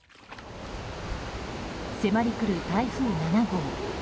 迫りくる台風７号。